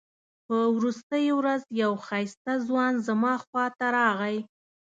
په وروستۍ ورځ یو ښایسته ځوان زما خواته راغی.